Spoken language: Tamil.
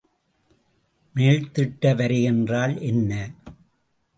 மேல்திட்ட வரை என்றால் என்ன?